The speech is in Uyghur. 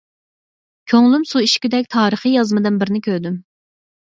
كۆڭلۈم سۇ ئىچكۈدەك تارىخىي يازمىدىن بىرنى كۆردۈم.